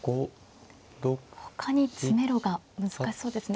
ほかに詰めろが難しそうですね。